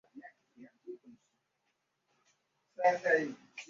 此外所有跟米拉兹有关的角色都是由来自义大利与西班牙的演员饰演。